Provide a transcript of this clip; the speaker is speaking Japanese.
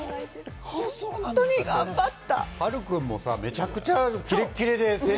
本当に頑張った！